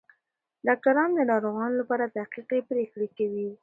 ډاکټران د ناروغانو لپاره دقیقې پریکړې کوي.